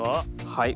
はい。